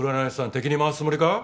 敵に回すつもりか？